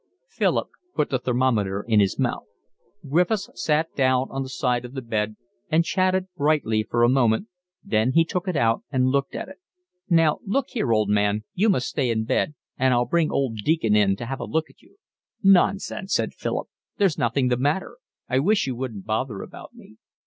Philip put the thermometer in his mouth. Griffiths sat on the side of the bed and chatted brightly for a moment, then he took it out and looked at it. "Now, look here, old man, you must stay in bed, and I'll bring old Deacon in to have a look at you." "Nonsense," said Philip. "There's nothing the matter. I wish you wouldn't bother about me."